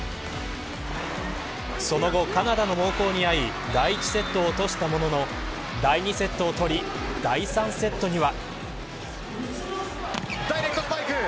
その後カナダの猛攻にあい第１セットを落としたものの第２セットを取り第３セットには。